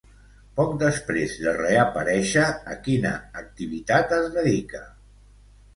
Poc després de reaparèixer, a quina activitat es dedica?